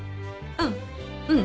うんうん。